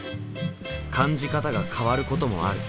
感じ方が変わることもある。